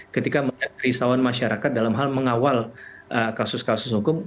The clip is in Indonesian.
ketika melihat kerisauan masyarakat dalam hal mengawal kasus kasus hukum